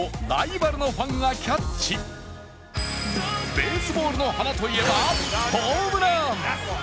ベースボールの華といえばホームラン。